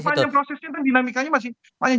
masih panjang prosesnya tapi dinamikanya masih panjang